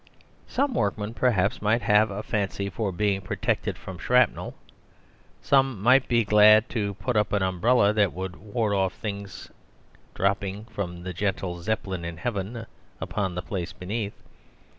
Some workmen, perhaps, might have a fancy for being protected from shrapnel; some might be glad to put up an umbrella that would ward off things dropping from the gentle Zeppelin in heaven upon the place beneath.